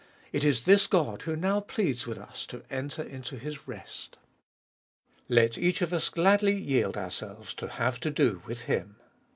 It is this God who now pleads with us to enter into His rest. Let each of us gladly yield ourselves to have to do with Him.